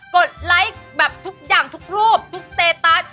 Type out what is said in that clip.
ดไลค์แบบทุกอย่างทุกรูปทุกสเตตัส